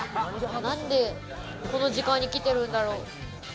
なんでこの時間に来てるんだろう？